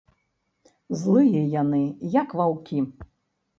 Злыя яны, як ваўкі.